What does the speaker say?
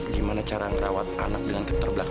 gimana cara ngerawat anak dengan keterbelahan